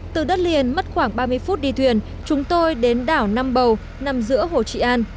từ đất liền mất khoảng ba mươi phút đi thuyền chúng tôi đến đảo năm bầu nằm giữa hồ trị an